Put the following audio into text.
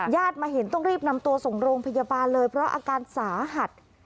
มาเห็นต้องรีบนำตัวส่งโรงพยาบาลเลยเพราะอาการสาหัส